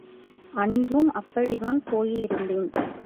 அன்றும் அப்படித்தான் போயிருந்தேன்.